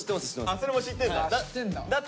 あそれも知ってんだ。